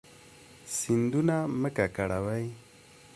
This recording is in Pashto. سیندونه مه ککړوئ